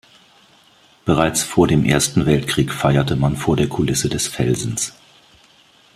Bereits vor dem Ersten Weltkrieg feierte man vor der Kulisse des Felsens.